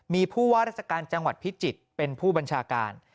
มีผู้ว่าราชการจังหวัดพิจิตรเป็นผู้บัญชาการ